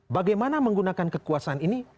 bagaimana menggunakan kekuasaan ini